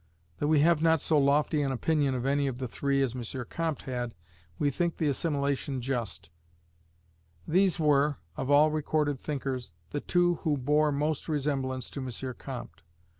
Though we have not so lofty an opinion of any of the three as M. Comte had, we think the assimilation just: thes were, of all recorded thinkers, the two who bore most resemblance to M. Comte.